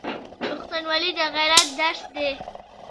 پښتونولي د غیرت درس دی.